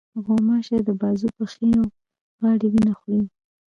غوماشې د بازو، پښې، او غاړې وینه خوري.